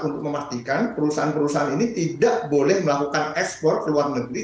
untuk memastikan perusahaan perusahaan ini tidak boleh melakukan ekspor ke luar negeri